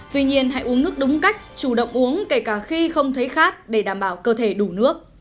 tuy nhiên hãy uống nước đúng cách chủ động uống kể cả khi không thấy khát để đảm bảo cơ thể đủ nước